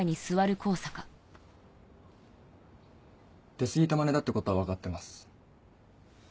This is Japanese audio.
出過ぎたマネだってことは分かってます。